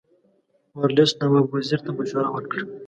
ورلسټ نواب وزیر ته مشوره ورکړه.